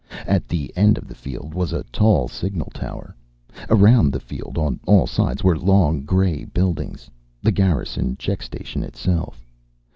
At the end of the field was a tall signal tower. Around the field on all sides were long grey buildings, the Garrison check station itself.